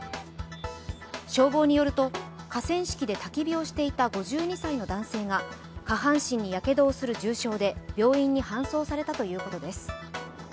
消防によると河川敷でたき火をしていた５２歳の男性が、下半身にやけどをする重傷で病院に搬送されたということです。